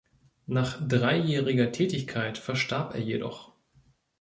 Nach dreijähriger Tätigkeit verstarb er jedoch.